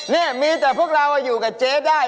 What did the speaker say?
นี่มีแต่พวกเราอยู่กับเจ๊ได้